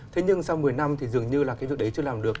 thế nhưng sau một mươi năm thì dường như là cái việc đấy chưa làm được